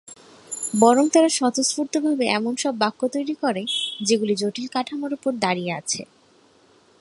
বরং তারা স্বতঃস্ফূর্তভাবে এমন সব বাক্য তৈরি করে, যেগুলি জটিল কাঠামোর উপর দাঁড়িয়ে আছে।